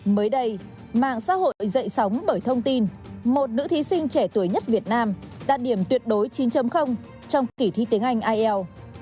mới đây mạng xã hội dậy sóng bởi thông tin một nữ thí sinh trẻ tuổi nhất việt nam đạt điểm tuyệt đối chín trong kỷ thi tiếng anh ielts